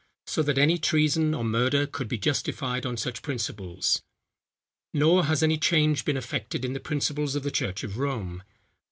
So that any treason or murder could be justified on such principles. Nor has any change been effected in the principles of the church of Rome.